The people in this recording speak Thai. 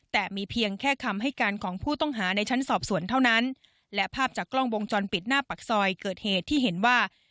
แต่มีเพียงแค่คำให้การของผู้ต้องหาในชั้นสอบสวนเท่านั้นและภาพจากกล้องวงจรปิดหน้าปากซอยเกิดเหตุที่เห็นว่า